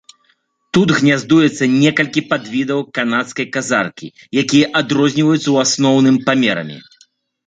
Тут гняздуецца некалькі падвідаў канадскай казаркі, якія адрозніваюцца ў асноўным памерамі.